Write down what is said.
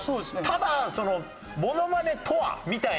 ただそのモノマネとは？みたいな。